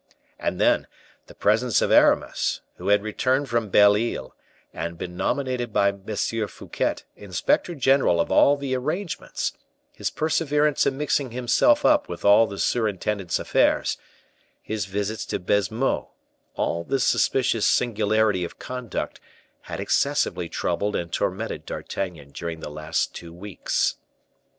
And then, the presence of Aramis, who had returned from Belle Isle, and been nominated by Monsieur Fouquet inspector general of all the arrangements; his perseverance in mixing himself up with all the surintendant's affairs; his visits to Baisemeaux; all this suspicious singularity of conduct had excessively troubled and tormented D'Artagnan during the last two weeks.